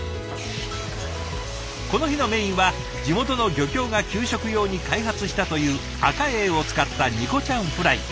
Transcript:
この日のメインは地元の漁協が給食用に開発したというアカエイを使ったニコちゃんフライ。